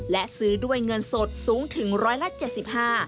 และซื้อด้วยเงินสดสูงถึงร้อยละ๗๕